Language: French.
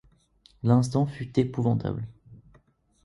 L'instant fut épouvantable.